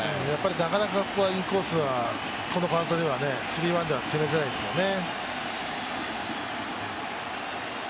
なかなかインコースはスリーワンでは攻めづらいですよね。